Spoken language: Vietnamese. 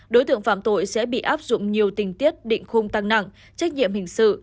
đối tượng phạm tội sẽ bị áp dụng nhiều tình tiết định khung tăng nặng trách nhiệm hình sự